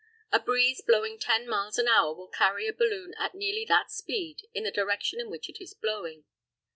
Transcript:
A breeze blowing 10 miles an hour will carry a balloon at nearly that speed in the direction in which it is blowing.